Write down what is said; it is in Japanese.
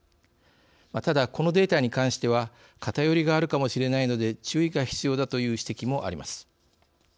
ただこのデータに関しては偏りがあるかもしれないので注意が必要だという指摘もあります。